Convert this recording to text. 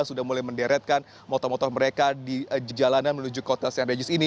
sudah mulai menderetkan motor motor mereka di jalanan menuju kota st regis ini